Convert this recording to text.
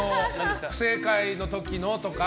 不正解の時のとか。